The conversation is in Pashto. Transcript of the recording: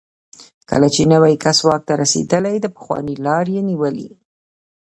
کله چې نوی کس واک ته رسېدلی، د پخواني لار یې نیولې.